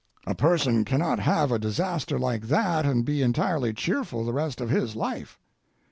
A person cannot have a disaster like that and be entirely cheerful the rest of his life.